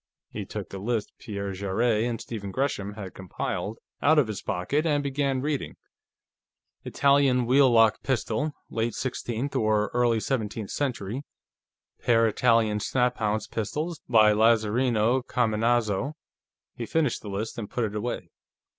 He took the list Pierre Jarrett and Stephen Gresham had compiled out of his pocket and began reading: "Italian wheel lock pistol, late sixteenth or early seventeenth century; pair Italian snaphaunce pistols, by Lazarino Cominazo...." He finished the list and put it away.